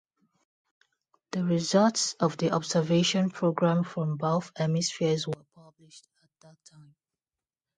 The results of the observation program from both hemispheres were published at that time.